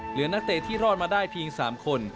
นักเตะที่รอดมาได้เพียง๓คน